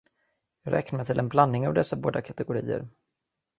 Jag räknar mig till en blandning av dessa båda kategorier.